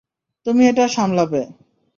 তুমি এটা সামলাবে।